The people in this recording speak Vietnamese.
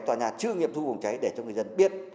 tòa nhà chưa nghiệm thu phòng cháy để cho người dân biết